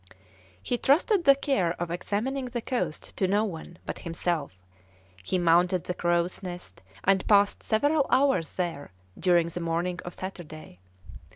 He trusted the care of examining the coast to no one but himself; he mounted the crow's nest and passed several hours there during the morning of Saturday.